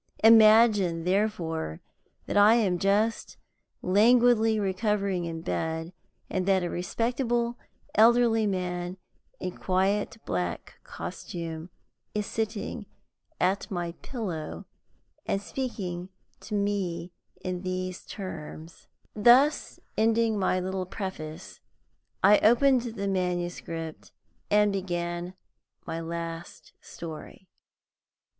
Imagine, therefore, that I am just languidly recovering in bed, and that a respectable elderly man, in quiet black costume, is sitting at my pillow and speaking to me in these terms " Thus ending my little preface, I opened the manuscript and began my last story.